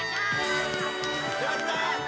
やった！